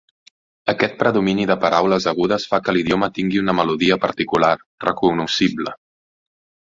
Aquest predomini de paraules agudes fa que l'idioma tingui una melodia particular, recognoscible.